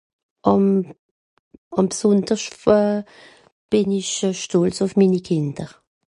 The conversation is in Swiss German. àm sonderscht euh bìn ìch euh stolz uff mini Kìnder